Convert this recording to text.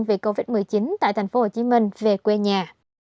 vì covid một mươi chín tại tp hcm về quê nhà